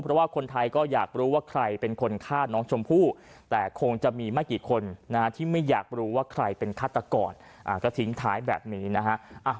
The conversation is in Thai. เพราะว่าคนไทยก็อยากรู้ว่าใครเป็นคนฆ่าน้องชมพู่แต่คงจะมีไม่กี่คนที่ไม่อยากรู้ว่าใครเป็นฆาตกรก็ทิ้งท้ายแบบนี้นะฮะ